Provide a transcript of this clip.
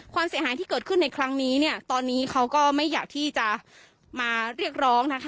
เสียหายที่เกิดขึ้นในครั้งนี้เนี่ยตอนนี้เขาก็ไม่อยากที่จะมาเรียกร้องนะคะ